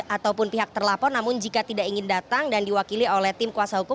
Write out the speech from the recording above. ataupun pihak terlapor namun jika tidak ingin datang dan diwakili oleh tim kuasa hukum